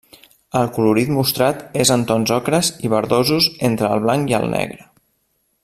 El colorit mostrat és en tons ocres i verdosos entre el blanc i el negre.